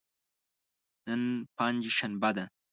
نن پنج شنبه ده.